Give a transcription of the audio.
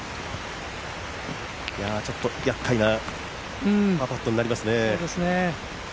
ちょっとやっかいなパーパットになりますね。